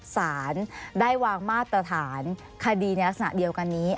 สารได้วางมาตรฐานคดีในลักษณะเดียวกันนี้